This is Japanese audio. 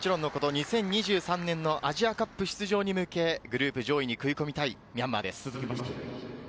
２０２３年のアジアカップ出場に向け、グループ上位に食い込みたいミャンマーです。